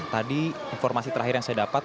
tadi informasi terakhir yang saya dapat